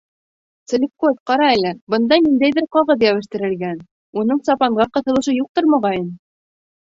— Цалевкос, ҡара әле, бында ниндәйҙер ҡағыҙ йәбештерелгән, уның сапанға ҡыҫылышы юҡтыр, моғайын.